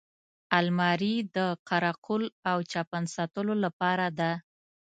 الماري د قره قل او چپن ساتلو لپاره ده